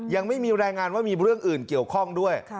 ยังไม่มีรายงานว่ามีเรื่องอื่นเกี่ยวข้องด้วย